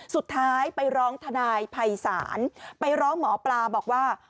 สุดท้ายไปร้องทนายภัยศาลไปร้องหมอปลาบอกว่า